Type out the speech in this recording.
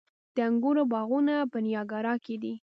د انګورو باغونه په نیاګرا کې دي.